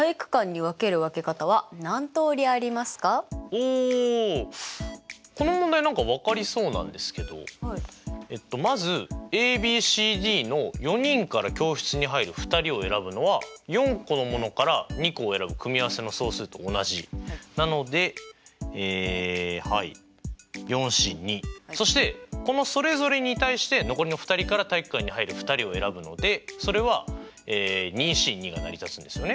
おおこの問題何か分かりそうなんですけどまずＡＢＣＤの４人から教室に入る２人を選ぶのは４個のものから２個を選ぶ組合せの総数と同じなのでそしてこのそれぞれに対して残りの２人から体育館に入る２人を選ぶのでそれはＣが成り立つんですよね。